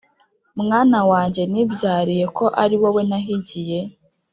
Mwana wanjye nibyariye, ko ari wowe nahigiye?